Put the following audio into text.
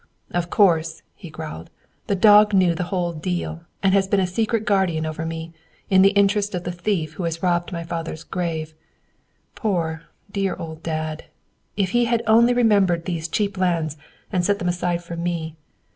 "Of course," he growled, "the dog knew the whole deal, and has been a secret guardian over me, in the interest of the thief who has robbed my father's grave. Poor, dear old Dad! If he had only remembered these cheap lands and set them aside for me.